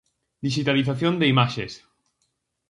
Dixitalización de imaxes.